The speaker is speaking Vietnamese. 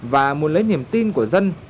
và muốn lấy niềm tin của dân